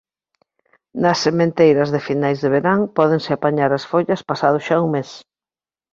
Nas sementeiras de finais de verán pódense apañar as follas pasado xa un mes.